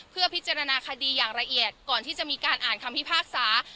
เพื่อพิจารณาคดีอย่างละเอียดก่อนที่จะมีการอ่านคำพิพากษา